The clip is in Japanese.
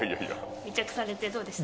密着されてどうでした？